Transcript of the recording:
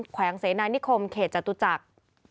แขวงเสนานิคมเขตจตุจักร